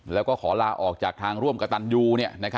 แล้วก็ขอลาออกจากทางร่วมกับตันยู